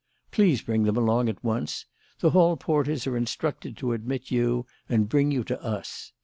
Please bring them along at once. The hall porters are instructed to admit you and bring you to us.